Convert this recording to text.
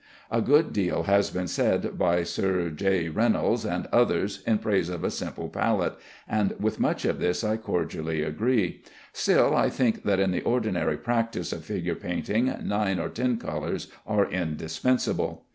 A good deal has been said by Sir J. Reynolds and others in praise of a simple palette, and with much of this I cordially agree; still I think that in the ordinary practice of figure painting nine or ten colors are indispensable.